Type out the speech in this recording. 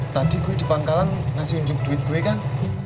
tadi gue di pangkalan ngasih unjuk duit gue kan